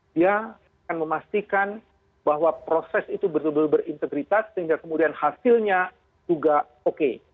dia akan memastikan bahwa proses itu betul betul berintegritas sehingga kemudian hasilnya juga oke